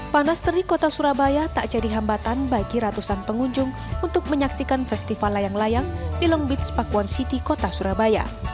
panas terik kota surabaya tak jadi hambatan bagi ratusan pengunjung untuk menyaksikan festival layang layang di long beach pakuwon city kota surabaya